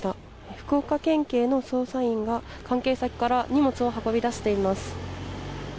福岡県警の捜査員が、関係先から荷物を運び出しています。